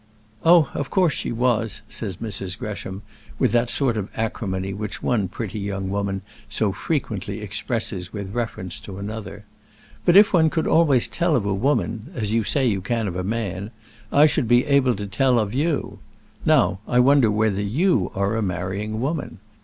"Oh, of course she was," says Mrs. Gresham, with that sort of acrimony which one pretty young woman so frequently expresses with reference to another. "But if one could always tell of a woman, as you say you can of a man, I should be able to tell of you. Now, I wonder whether you are a marrying woman?